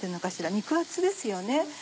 肉厚ですよね。